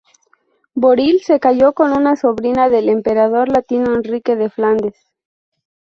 Boril se casó con una sobrina del emperador latino Enrique de Flandes.